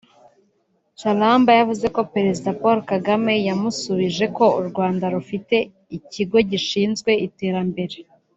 Charamba yavuze ko Perezida Paul Kagame yamusubije ko u Rwanda rufite Ikigo gishinzwe iterambere